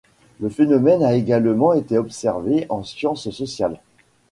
Le phénomène a également été observé en sciences sociales.